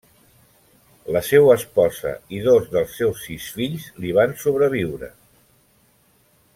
La seua esposa i dos dels seus sis fills li van sobreviure.